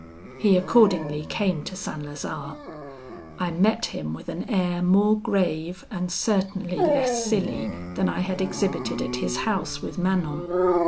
"He accordingly came to St. Lazare. I met him with an air more grave and certainly less silly than I had exhibited at his house with Manon.